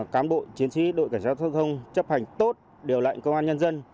cán bộ chiến sĩ đội cảnh sát giao thông chấp hành tốt điều lệnh công an nhân dân